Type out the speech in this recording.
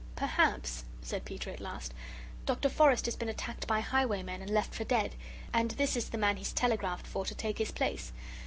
"Perhaps," said Peter at last, "Dr. Forrest has been attacked by highwaymen and left for dead, and this is the man he's telegraphed for to take his place.